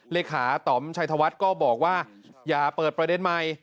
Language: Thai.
เลขาต่อมชัยธวัฒน์ก็บอกว่าอย่าเปิดประเด็นใหม่